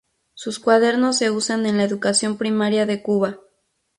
Sus cuadernos se usan en la educación primaria de Cuba.